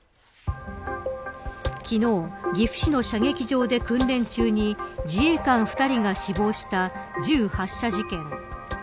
昨日、岐阜市の射撃場で訓練中に自衛官２人が死亡した銃発射事件。